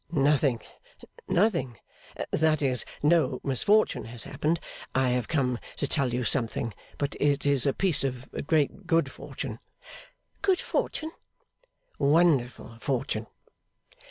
'Nothing, nothing. That is, no misfortune has happened. I have come to tell you something, but it is a piece of great good fortune.' 'Good fortune?' 'Wonderful fortune!